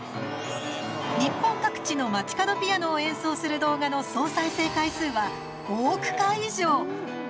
日本各地の街角ピアノを演奏する動画の総再生回数は５億回以上！